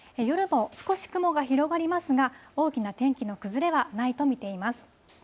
夜も少し雲が広がりますが、大きな天気の崩れはないと見ています。